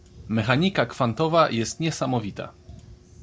Mechanika kwantowa jest niesamowita.